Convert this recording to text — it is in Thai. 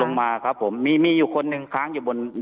ตกลงมาครับผมมีอยู่คนหนึ่งค้างอยู่บนรถที่นี่นะครับ